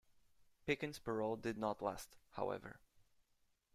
Pickens' parole did not last, however.